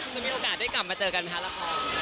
จะมีโอกาสได้กลับมาเจอกันไหมคะละคร